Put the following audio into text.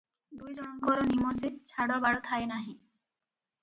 ଦୁଇଜଣଙ୍କର ନିମଷେ ଛାଡ଼ବାଡ଼ ଥାଏନାହିଁ ।